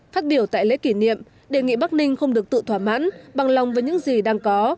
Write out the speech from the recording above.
phát biểu tại lễ kỷ niệm đề nghị bắc ninh không được tự thỏa mãn bằng lòng với những gì đang có